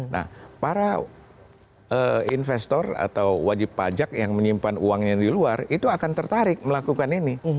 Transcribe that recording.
nah para investor atau wajib pajak yang menyimpan uangnya di luar itu akan tertarik melakukan ini